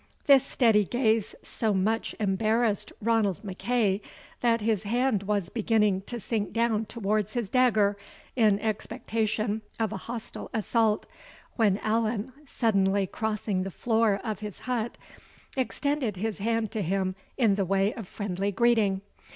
This steady gaze so much embarrassed Ranald MacEagh, that his hand was beginning to sink down towards his dagger, in expectation of a hostile assault, when Allan, suddenly crossing the floor of the hut, extended his hand to him in the way of friendly greeting.